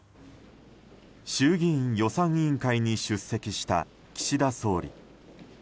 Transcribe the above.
衆議院予算委員会に出席した岸田総理。